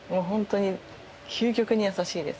究極に優しいです。